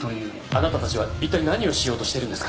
「あなたたちは一体何をしようとしてるんですか？」